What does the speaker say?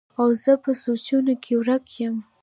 او زۀ پۀ سوچونو کښې ورک يم